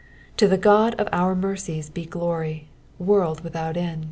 To the Ckd of our mercies be glory, world without end.